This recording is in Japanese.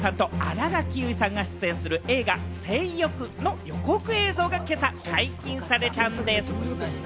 稲垣吾郎さんと新垣結衣さんが出演する映画『正欲』の予告映像が今朝、解禁されたんです。